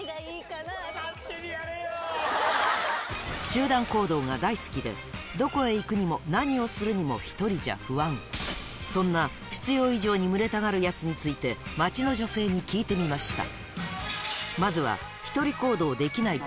集団行動が大好きでどこへ行くにも何をするにも１人じゃ不安そんな必要以上に群れたがるヤツについて街の女性に聞いてみました